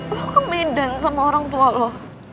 lu ke medan sama orang tua lu